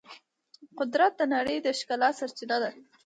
قدرت د نړۍ د ښکلا سرچینه ده.